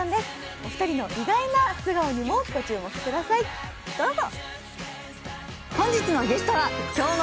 お二人の意外な素顔にもご注目ください、どうぞ！